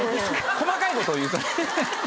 細かいことを言うとね！